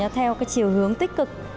theo cái chiều hướng tích cực